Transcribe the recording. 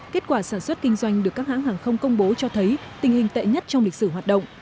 kết quả sản xuất kinh doanh được các hãng hàng không công bố cho thấy tình hình tệ nhất trong lịch sử hoạt động